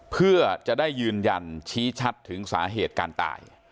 เพื่อจะได้ยืนยันชี้ชัดถึงสาเหตุการตาย